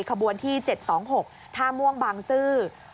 ขบวนที่เจ็ดสองหกทาม่วงบางซื้อ